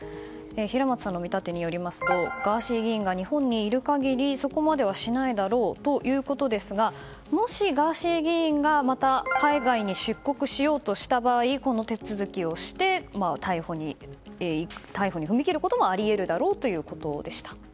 平松さんの見立てによりますとガーシー議員が日本にいる限りそこまではしないだろうということですがもしガーシー議員がまた海外に出国しようとした場合この手続きをして逮捕に踏み切ることもあり得るだろうということでした。